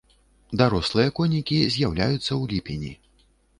Дарослыя конікі з'яўляюцца ў ліпені.